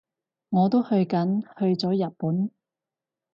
我都去緊，去咗日本